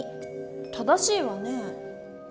正しいわね。